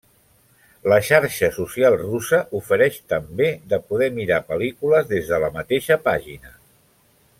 La xarxa social russa ofereix també de poder mirar pel·lícules des de la mateixa pàgina.